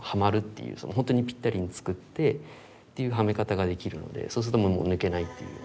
ほんとにぴったりに作ってっていうはめ方ができるのでそうするともう抜けないっていう。